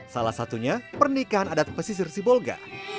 salah satunya pernikahan adat pesisir sibolga